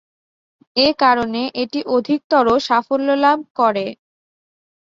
এ কারণে এটি অধিকতর সাফল্যলাভ করে।